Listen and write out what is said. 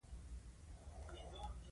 زه د حمام د ټپ پر څنډه باندې ورته کښیناستم.